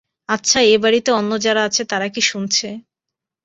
আচ্ছা, এ-বাড়িতে অন্য যারা আছে, তারা কি শুনছে?